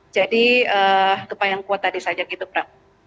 jadi gempa yang kuat tadi saja gitu pak